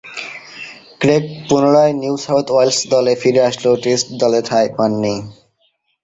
Craig পুনরায় New South Wales দলে ফিরে আসলেও টেস্ট দলে ঠাঁই পাননি।